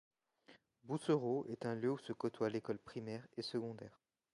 Bussero est un lieu où se côtoient l'école primaire et secondaire.